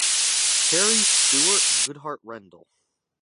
Harry Stuart Goodhart-Rendel.